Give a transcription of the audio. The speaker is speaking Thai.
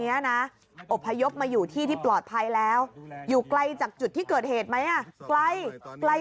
นี้นะอบพยพมาอยู่ที่ที่ปลอดภัยแล้วอยู่ไกลจากจุดที่เกิดเหตุไหมอ่ะใกล้ใกล้